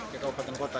ke kabupaten kota